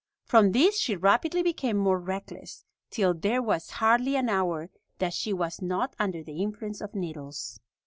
From this she rapidly became more reckless, till there was hardly an hour that she was not under the influence of needles.